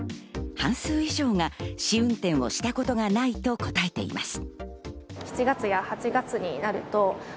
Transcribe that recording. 半数以上が試運転をしたことがないと答えています。